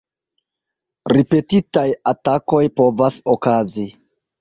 Ripetitaj atakoj povas okazi.